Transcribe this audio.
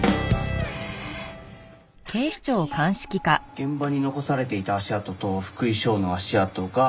現場に残されていた足跡と福井翔の足跡が。